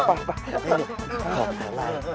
ขอบคำไลน์